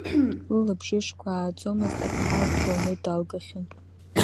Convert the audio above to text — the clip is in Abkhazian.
Лылабжышқәа ааӡомызт аԥҳа, дбылны далгахьан.